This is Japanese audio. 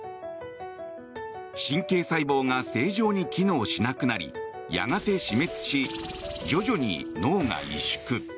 神経細胞が正常に機能しなくなりやがて死滅し、徐々に脳が萎縮。